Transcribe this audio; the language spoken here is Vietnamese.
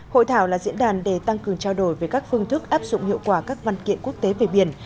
hội thảo là diễn đàn để tăng cường trao đổi về các phương thức áp dụng hiệu quả các văn kiện quốc tế về biển